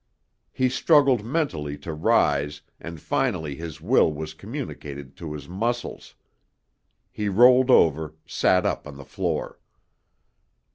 He struggled mentally to rise, and finally his will was communicated to his muscles. He rolled over, sat up on the floor.